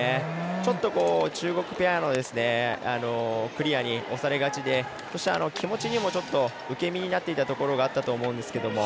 ちょっと中国ペアのクリアに押されがちで気持ちにもちょっと、受け身になっていたところがあったんですけど。